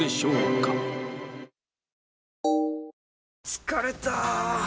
疲れた！